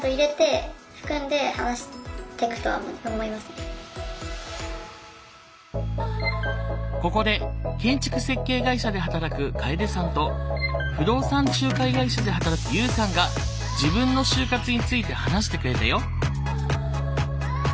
例えばここで建築設計会社で働く楓さんと不動産仲介会社で働くＵさんが自分の就活について話してくれたよ。